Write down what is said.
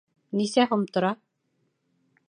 Нисә һум тора?